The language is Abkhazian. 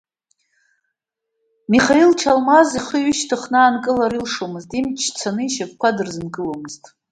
Михаил Чалмаз, ихы ҩышьҭыхны аанкылара илшомызт, имч цаны ишьапқәа дырзынкыломызт…